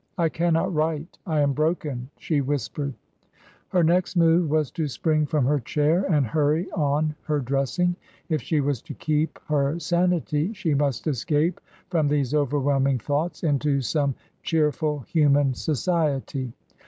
" I cannot write. I am broken," she whispered. Her next move was to spring from her chair and hurry on her dressing. If she was to keep her sanity she must escape from these overwhelming thoughts into some cheerful human society.